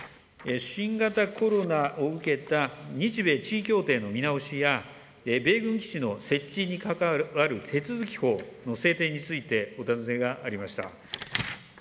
新型コロナを受けた日米地位協定の見直しや、米軍基地の設置に関わる手続法の制定についてお尋ねがありました。